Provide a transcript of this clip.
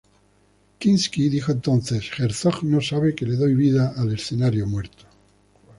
Kinski dijo entonces: "Herzog no sabe que le doy vida al escenario muerto".